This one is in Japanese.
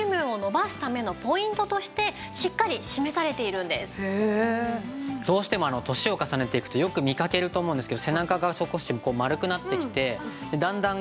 実はですねどうしても年を重ねていくとよく見かけると思うんですけど背中が少し丸くなってきてだんだん